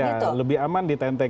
ya lebih aman ditenteng